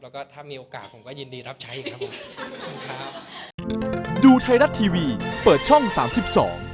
แล้วก็ถ้ามีโอกาสผมก็ยินดีรับใช้ครับ